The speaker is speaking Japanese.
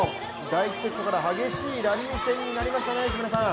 第１セットから激しいラリー戦になりましたね。